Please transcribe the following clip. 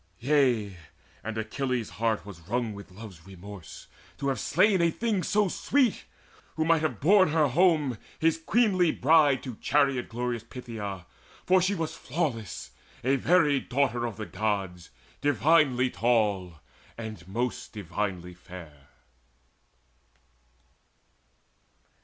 Yea, and Achilles' very heart was wrung With love's remorse to have slain a thing so sweet, Who might have borne her home, his queenly bride, To chariot glorious Phthia; for she was Flawless, a very daughter of the Gods, Divinely tall, and most divinely fair.